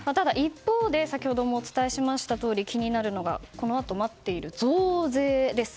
ただ一方で先ほどもお伝えしましたが気になるのはこのあと待っている増税です。